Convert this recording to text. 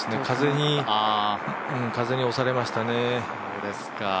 風に押されましたね。